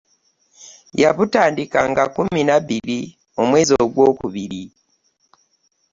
Yabutandika nga kkumi na bbiri omwezi Ogwokubiri.